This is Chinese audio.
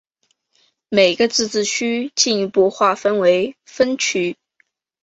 每个自治区进一步划分为分区。